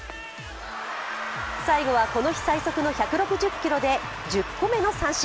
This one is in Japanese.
最後はこの日最速の１６０キロで１０個目の三振。